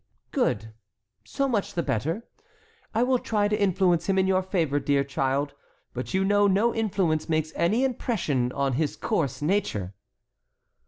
"Good, so much the better. I will try to influence him in your favor, dear child. But you know no influence makes any impression on his coarse nature."